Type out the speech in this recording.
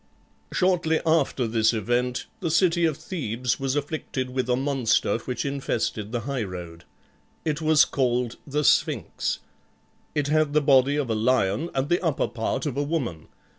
Shortly after this event the city of Thebes was afflicted with a monster which infested the highroad. It was called the Sphinx. It had the body of a lion and the upper part of a woman.